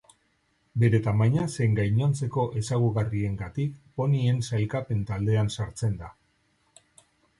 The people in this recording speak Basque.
Bere tamaina zein gainontzeko ezaugarriengatik ponien sailkapen taldean sartzen da.